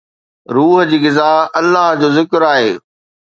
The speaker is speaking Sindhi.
روح جي غذا الله جو ذڪر آهي.